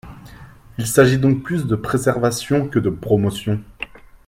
Il s’agit donc plus de préservation que de promotion.